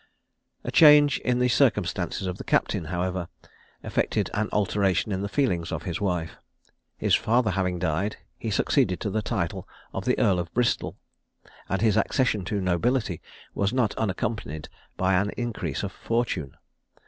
A change in the circumstances of the captain, however, effected an alteration in the feelings of his wife. His father having died, he succeeded to the title of the Earl of Bristol, and his accession to nobility was not unaccompanied by an increase of fortune.